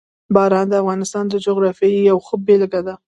باران د افغانستان د جغرافیې یوه ښه بېلګه ده.